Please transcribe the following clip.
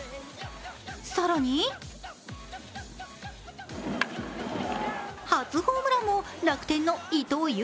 更に、初ホームランも楽天の伊藤裕